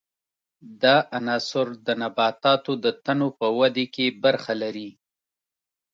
دا عنصر د نباتاتو د تنو په ودې کې برخه لري.